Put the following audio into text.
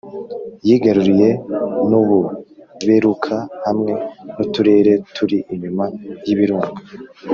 yigaruriye n'u buberuka hamwe n'uturere turi inyuma y'ibirunga.